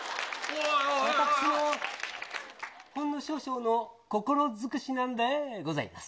私のほんの少々の心づくしなんでございます。